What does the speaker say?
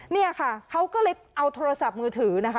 เนี่ยค่ะเขาก็เลยเอาโทรศัพท์มือถือนะคะ